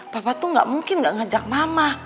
papa tuh gak mungkin gak ngajak mama